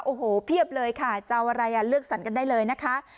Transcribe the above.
โอ้โหเพียบเลยค่ะจะเอาอะไรเลือกสรรกันได้เลยนะคะ